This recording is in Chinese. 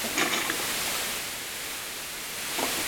圣马尔蒂阿。